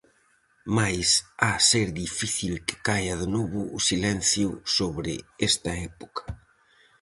Mais ha ser difícil que caia de novo o silencio sobre esta época.